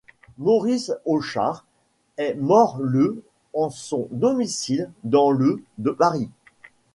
Maurice Hauchard est mort le en son domicile dans le de Paris.